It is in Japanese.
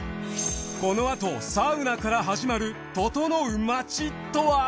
このあとサウナから始まるととのう街とは？